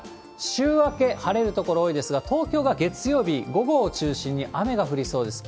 週明け、晴れる所多いですが、東京が月曜日午後を中心に雨が降りそうです。